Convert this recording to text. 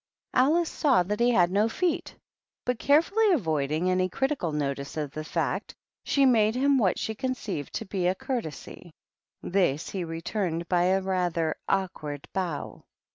Alice saw that he had no feet, but carefully avoiding any critical notice of the fact, she made him what she conceived to be a courtesy ; this he returned by a rather awkward bow.